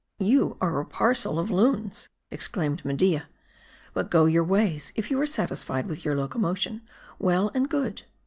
" You are a parcel of loons," exclaimed Media. " But go your ways, if you are satisfied with your locomotion, well and good."